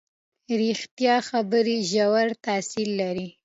ریښتیا خبرې ژور تاثیر لري.